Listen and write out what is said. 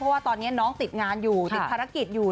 เพราะว่าตอนนี้น้องติดงานอยู่ติดภารกิจอยู่